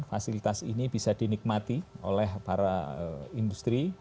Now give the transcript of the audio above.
fasilitas ini bisa dinikmati oleh para industri